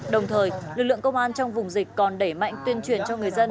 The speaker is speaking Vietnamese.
đồng thời lực lượng công an trong vùng dịch còn đẩy mạnh tuyên truyền cho người dân